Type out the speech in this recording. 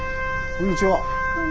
こんにちは。